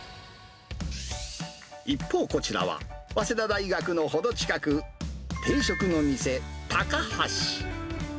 一方、こちらは早稲田大学の程近く、定食の店、たかはし。